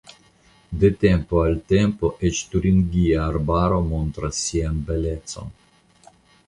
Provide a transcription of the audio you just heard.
De tempo al tempo eĉ Turingia Arbaro montras sian belecon.